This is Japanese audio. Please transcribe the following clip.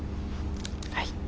はい。